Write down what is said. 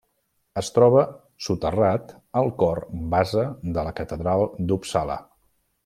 Es troba soterrat al Cor Vasa de la Catedral d'Uppsala.